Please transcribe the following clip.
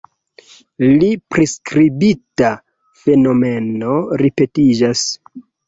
La priskribita fenomeno ripetiĝas.